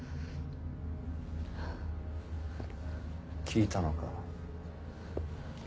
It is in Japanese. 聞いたのか？